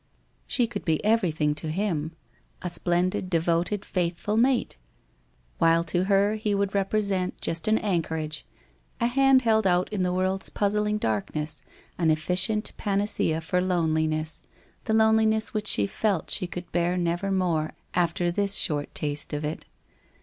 She could be everything to him, a splendid, devoted, faithful mate, while to her he would represent just an anchorage, a hand held out in the world's puzzling dark ness, an efficient panacea for loneliness, the loneliness which she felt she could bear never more, after this short taste of it.